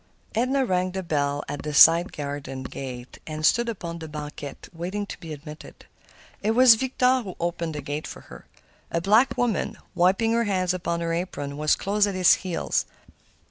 Edna rang the bell at this side garden gate, and stood upon the banquette, waiting to be admitted. It was Victor who opened the gate for her. A black woman, wiping her hands upon her apron, was close at his heels.